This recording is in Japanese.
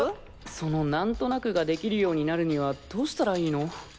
その「なんとなく」ができるようになるにはどうしたらいいの？